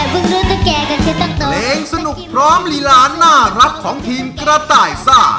เพลงสนุกพร้อมลีลานน่ารักของทีมกระต่ายซ่า